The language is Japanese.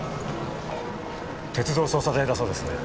鉄道捜査隊だそうですね。